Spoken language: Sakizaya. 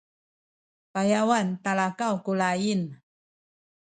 payawan talakaw ku laying